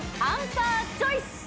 アンサーチョイス！